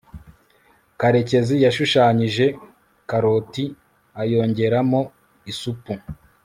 karekezi yashushanyije karoti ayongeramo isupu